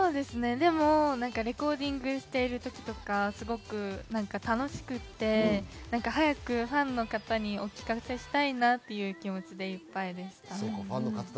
でもレコーディングしている時とか、すごく楽しくて早くファンの方にお聞かせしたいなという気持ちでいっぱいでした。